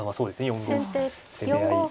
４五歩攻め合い。